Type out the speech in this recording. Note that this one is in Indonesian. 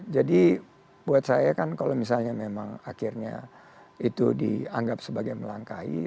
jadi buat saya kan kalau misalnya memang akhirnya itu dianggap sebagai melangkahi